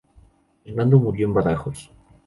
Fernando murió en Badajoz.